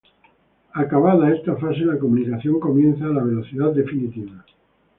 Acabada esta fase, la comunicación comienza a la velocidad definitiva.